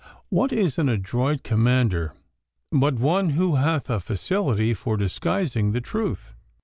'What is an adroit commander but one who hath a facility for disguising the truth?